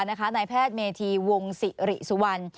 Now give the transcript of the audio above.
นายแพทย์เมธีวงศิริสุวรรณ